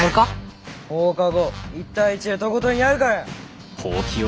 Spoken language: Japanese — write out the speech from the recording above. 放課後１対１でとことんやるからよ。